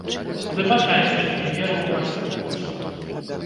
Выбачайце, што не верыў у вас так моцна.